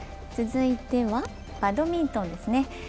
続いてはバドミントンです。